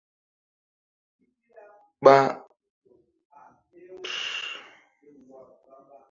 Hul ra lek ɓay el gi maŋ ni.